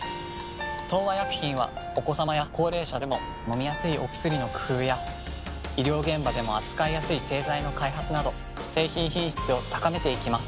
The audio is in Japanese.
東和薬品はお子さまや高齢者でも飲みやすいお薬の工夫や医療現場でも扱いやすい製剤の開発など製品品質を高めていきます。